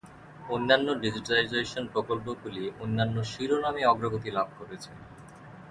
অন্যান্য ডিজিটাইজেশন প্রকল্পগুলি অন্যান্য শিরোনামে অগ্রগতি লাভ করেছে।